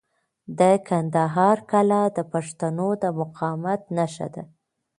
د کندهار کلا د پښتنو د مقاومت نښه ده.